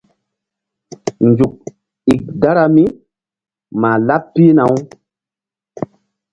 Nzuk ík dara mí mah laɓ pihna-u.